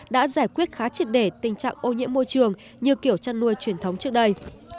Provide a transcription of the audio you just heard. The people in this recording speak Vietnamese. đã giải quyết khá triệt để tình trạng ô nhiễm môi trường như kiểu chăn nuôi truyền thống trước đây